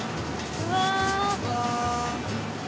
うわ。